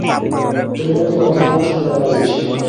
Telepathic কথা বলার সম্ভাবনাই বেশি।